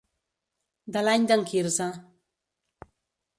De l'any d'en Quirze.